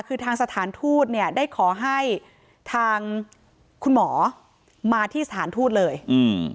คือทางสถานทูตเนี่ยได้ขอให้ทางคุณหมอมาที่สถานทูตเลยอืม